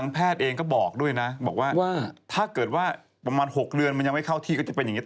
เห็นค่อยอย่างนั้น